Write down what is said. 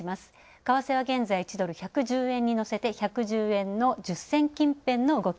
為替は現在１ドル＝１１０円にのせて１１０円の１０銭近辺の動き。